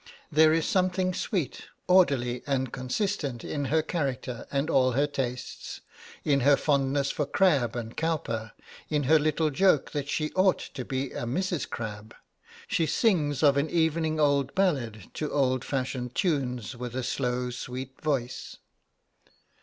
There is something sweet, orderly, and consistent in her character and all her tastes in her fondness for Crabbe and Cowper, in her little joke that she ought to be a Mrs. Crabbe. She sings of an evening old ballads to old fashioned tunes with a low sweet voice.